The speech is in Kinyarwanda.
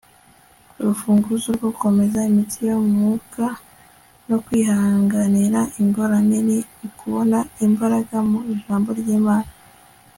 urufunguzo rwo gukomeza imitsi yo mu mwuka no kwihanganira ingorane ni ukubona imbaraga mu ijambo ry'imana